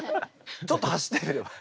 ちょっと走ってみれば？